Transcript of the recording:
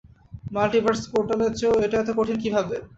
Multiverse পোর্টালের চেয়েও এটা এত কঠিন কীভাবে?